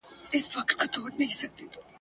په هینداره کي دي وینم کله ته یې کله زه سم !.